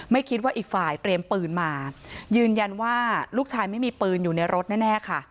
คิดว่าอีกฝ่ายเตรียมปืนมายืนยันว่าลูกชายไม่มีปืนอยู่ในรถแน่ค่ะ